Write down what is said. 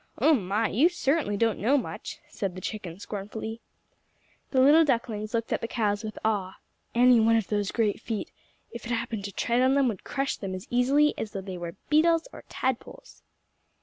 Oh, my! You certainly don't know much," said the chicken scornfully. The little ducklings looked at the cows with awe. Any one of those great feet, if it happened to tread on them would crush them as easily as though they were beetles or tadpoles.